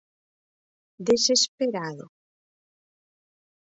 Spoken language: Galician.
Desesperado.